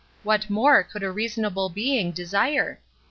What more could a reasonable being desire?